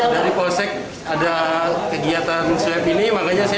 dari polsek ada kegiatan swab ini makanya saya